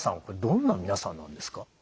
これどんな皆さんなんですか？